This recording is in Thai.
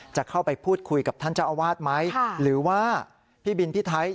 จะเข้าไปพูดคุยกับท่านเจ้าอาวาสไหมหรือว่าพี่บินพี่ไทย